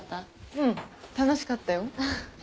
うん楽しかったよ。